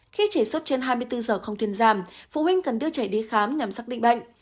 khi trẻ sốt trên hai mươi bốn giờ không thuyền giảm phụ huynh cần đưa trẻ đi khám nhằm xác định bệnh